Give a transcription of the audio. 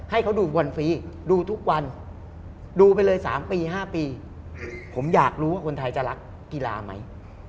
ให้เขาดูวันฟรีดูทุกวันดูไปเลย๓ปี๕ปีผมอยากรู้ว่าคนไทยจะรักกีฬาไหม